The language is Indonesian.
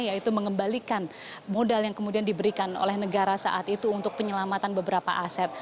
yaitu mengembalikan modal yang kemudian diberikan oleh negara saat itu untuk penyelamatan beberapa aset